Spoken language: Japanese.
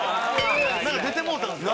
なんか出てもうたんですか？